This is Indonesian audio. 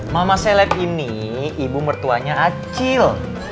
mama seleb ini ibu mertuanya acil